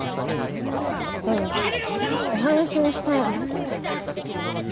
でもお話もしたいですし。